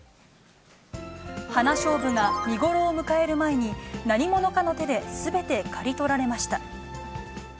ハナショウブが見頃を迎える前に、何者かの手ですべて刈り取られました。